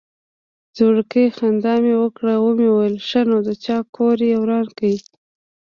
زورکي خندا مې وکړه ومې ويل ښه نو د چا کور يې وران کړى.